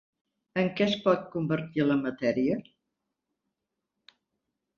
En què es pot convertir la matèria?